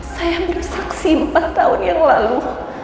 saya bersaksi empat tahun yang lalu